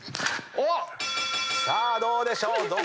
さあどうでしょう？